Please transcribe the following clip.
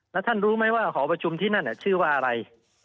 แล้วท่านรู้ไหมว่าหอประชุมที่นั่นชื่อว่าอะไร